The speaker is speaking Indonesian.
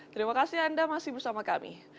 terima kasih anda masih bersama kami